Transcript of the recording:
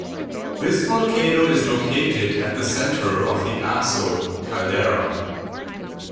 This volcano is located at the centre of the Aso caldera.